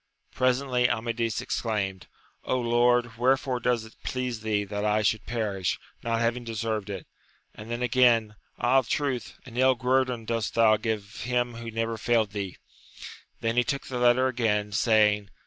Presently Amadis ex claimed, Lord, wherefore does it please thee that I should perish, not having deserved it ! and then again. Ah, truth, an ill guerdon dost thou give him who never failed thee ! Then he took the letter again, saying.